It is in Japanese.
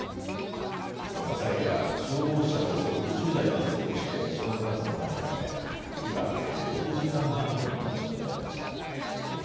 この火災では、消防車およそ６０台が出動して消火活動が行われ、火はおよそ６時間半後に消し止められました。